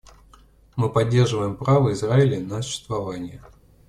Мы поддерживаем право Израиля на существование.